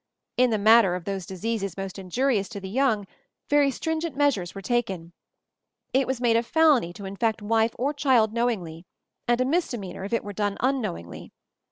In the matter of those diseases most injurious to the young, very stringent measures were taken. It was made a felony to infect wife or child know ingly, and a misdemeanor if it were done unknowingly.